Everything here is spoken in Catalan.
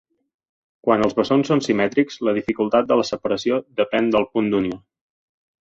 Quan els bessons són simètrics, la dificultat de la separació depèn del punt d'unió.